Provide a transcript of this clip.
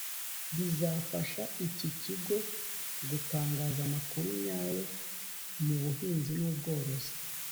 bizanafasha iki kigo gutangaza amakuru nyayo mu by’ubuhinzi n’ubworozi